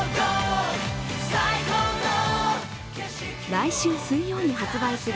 来週水曜に発売する